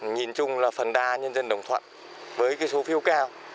nhìn chung là phần đa nhân dân đồng thuận với số phiếu cao